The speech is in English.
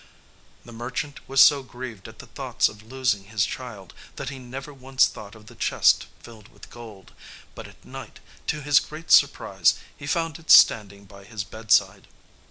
The merchant was so grieved at the thoughts of losing his child that he never once thought of the chest filled with gold, but at night, to his great surprise, he found it standing by his bedside.